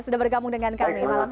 sudah bergabung dengan kami